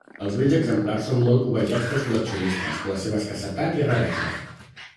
Els bells exemplars són molt cobejats pels col·leccionistes per la seva escassetat i raresa.